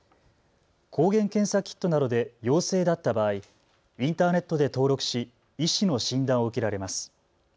抗原検査キットなどで陽性だった場合、インターネットで登録し医師の診断を受けられます。